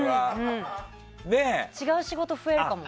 違う仕事増えるかも。